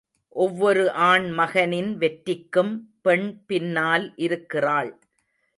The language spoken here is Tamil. ஒவ்வொரு ஆண்மகனின் வெற்றிக்கும் பெண் பின்னால் இருக்கிறாள்.